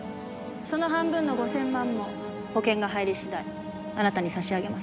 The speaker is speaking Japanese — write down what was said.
その半分の５０００万も保険が入り次第あなたに差し上げます。